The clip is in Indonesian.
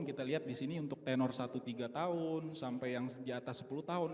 kita lihat di sini untuk tenor satu tiga tahun sampai yang di atas sepuluh tahun